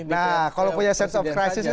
nah kalau punya sense of crisis